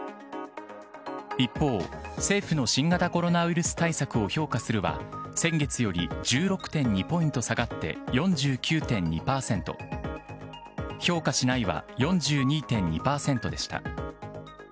一方、政府の新型コロナウイルス対策を評価するは、先月より１６．２ポイント下がって４９．２％、評価しないは４２．２％でした。